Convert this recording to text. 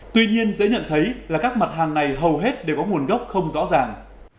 tuy nhiên dễ nhận thấy là các mặt hàng này hầu hết đều có nguồn gốc không rõ ràng